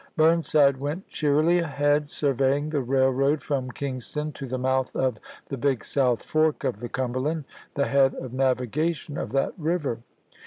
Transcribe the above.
Burnside went cheerily ahead, sur veying the railroad from Kingston to the mouth of the Big South Fork of the Cumberland, the head of navigation of that river.